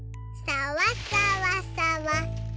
さわさわさわ。